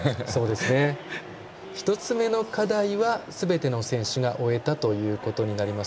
１つ目の課題はすべての選手が終えたということになります。